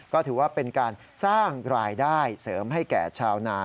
ก็ถือว่าเป็นการสร้างรายได้เสริมให้แก่ชาวนา